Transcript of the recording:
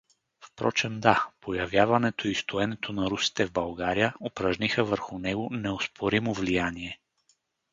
Впрочем, да; появяването и стоенето на русите в България упражниха върху него неоспоримо влияние.